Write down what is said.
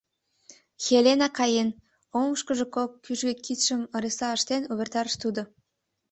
— Хелена каен, — оҥышкыжо кок кӱжгӧ кидшым ыресла ыштен увертарыш тудо.